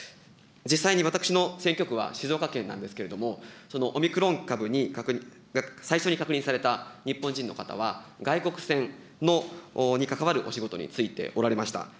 実際に、私の選挙区は静岡県なんですけれども、そのオミクロン株に最初に確認された日本人の方は、外国船に関わるお仕事に就いておられました。